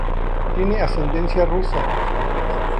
Tiene ascendencia rusa.